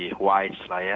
lebih wise lah ya